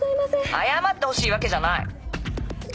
謝ってほしいわけじゃない！